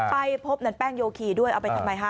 ไปพบนั้นแป้งโยคีด้วยเอาไปทำไมฮะ